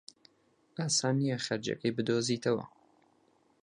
ئاسان نییە خەرجییەکەی بدۆزیتەوە.